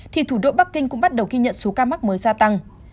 thì thủ đô bắc kinh cũng bắt đầu ghi nhận số ca mắc mới gia tăng